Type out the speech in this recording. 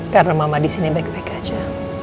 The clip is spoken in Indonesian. karena mama di sini baik baik saja